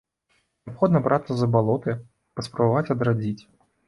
Неабходна брацца за балоты, паспрабаваць адрадзіць.